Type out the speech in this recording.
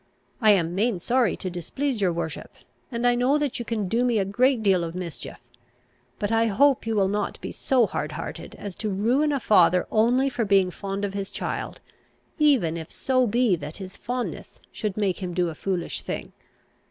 I am main sorry to displease your worship, and I know that you can do me a great deal of mischief. But I hope you will not be so hardhearted as to ruin a father only for being fond of his child, even if so be that his fondness should make him do a foolish thing.